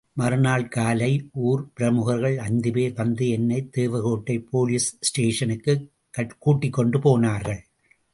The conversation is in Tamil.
மறு நாள் காலை ஊர் பிரமுகர்கள் ஐந்து பேர் வந்து என்னைத் தேவகோட்டை போலீஸ் ஸ்டேஷனுக்குக் கூட்டிக்கொண்டு போனார்கள்.